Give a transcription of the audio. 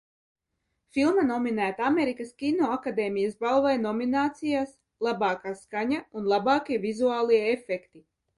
"Filma nominēta Amerikas Kinoakadēmijas balvai nominācijās "Labākā skaņa" un "Labākie vizuālie efekti"."